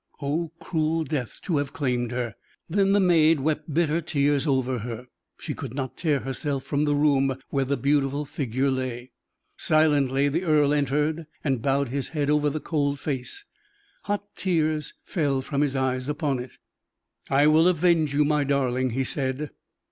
Oh, cruel death, to have claimed her! Then the maid wept bitter tears over her, she could not tear herself from the room where the beautiful figure lay. Silently the earl entered, and bowed his head over the cold face, hot tears fell from his eyes upon it. "I will avenge you, my darling," he said.